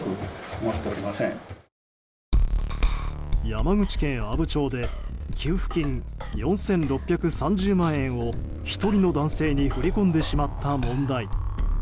山口県阿武町で給付金４６３０万円を１人の男性に振り込んでしまった問題。